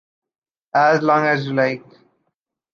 As long as you like.